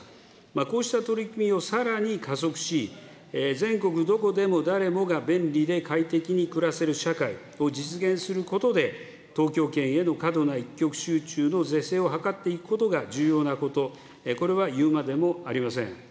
こうした取り組みをさらに加速し、全国、どこでも、誰もが便利で快適に暮らせる社会を実現することで、東京圏への過度な一極集中の是正を図っていくことが重要なこと、これはいうまでもありません。